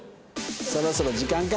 そろそろ時間か。